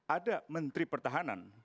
ada menteri pertahanan